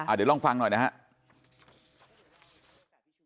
เดี๋ยวลองฟังหน่อยนะครับ